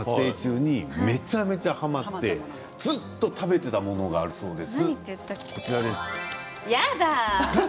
「らんまん」の今回の撮影中にめちゃめちゃはまってずっと食べていたものがあるそうです。